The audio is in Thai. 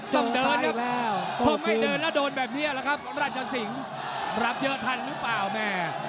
ต้องเดินครับพอไม่เดินแล้วโดนแบบนี้แหละครับราชสิงศ์รับเยอะทันหรือเปล่าแม่